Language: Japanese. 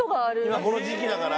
今この時期だから？